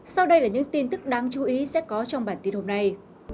sau đây là những tin tức đáng chú ý sẽ có trong bản tin hôm nay